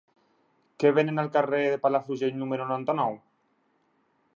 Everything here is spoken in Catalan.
Què venen al carrer de Palafrugell número noranta-nou?